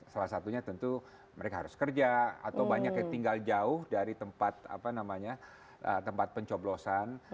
salah satunya tentu mereka harus kerja atau banyak yang tinggal jauh dari tempat pencoblosan